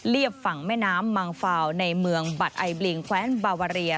ฝั่งแม่น้ำมังฟาวในเมืองบัตรไอบลิงแคว้นบาวาเรีย